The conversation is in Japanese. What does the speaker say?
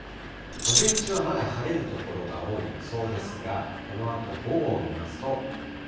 午前中はまだ晴れる所が多い予想ですが、このあと午後を見ますと。